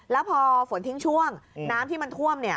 แล้วพอฝนทิ้งช่วงน้ำที่มันท่วมเนี่ย